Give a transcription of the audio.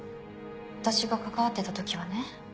私が関わってた時はね。